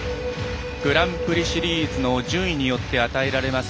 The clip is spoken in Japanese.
グランプリシリーズの順位によって与えられます